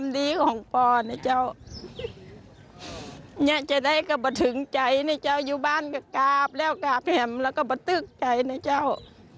โดยอยู่บ้านก็กราบแล้วกราบแห่งแล้วก็ปะตึกใจนะเจ้า